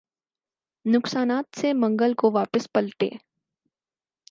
نقصانات سے منگل کو واپس پلٹے